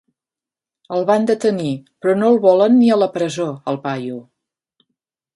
El van detenir, però no el volen ni a la presó, al paio.